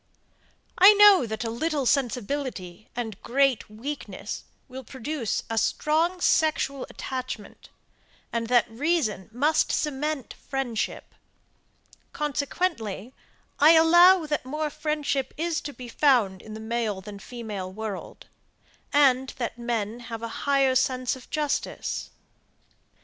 I know that a little sensibility and great weakness will produce a strong sexual attachment, and that reason must cement friendship; consequently I allow, that more friendship is to be found in the male than the female world, and that men have a higher sense of justice.